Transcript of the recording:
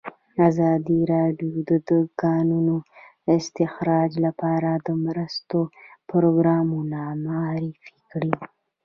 ازادي راډیو د د کانونو استخراج لپاره د مرستو پروګرامونه معرفي کړي.